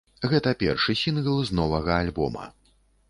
Гэта першы сінгл з новага альбома.